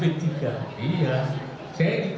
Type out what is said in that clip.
pak kiai pernah di b tiga